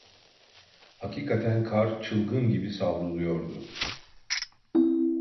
Hakikaten kar çılgın gibi savruluyordu.